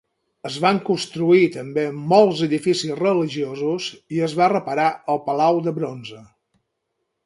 Es van construir també molts edificis religiosos i es va reparar el Palau de Bronze.